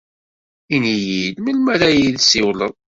Ini-yi-d melmi ara yi-d-tsiwleḍ.